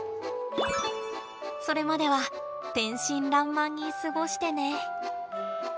それまでは天真爛漫に過ごしてね！